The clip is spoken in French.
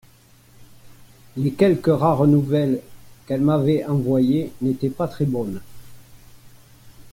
Les quelques rares nouvelles qu’elle m’avait envoyées n’étaient pas très bonnes.